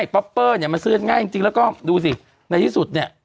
ป๊อปเปอร์เนี่ยมันซื้อง่ายจริงแล้วก็ดูสิในที่สุดเนี่ย